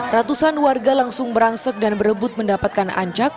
ratusan warga langsung merangsek dan berebut mendapatkan ancak